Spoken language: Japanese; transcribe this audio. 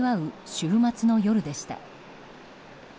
週末の夜でした。